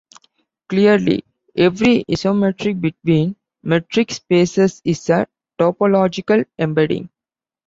Clearly, every isometry between metric spaces is a topological embedding.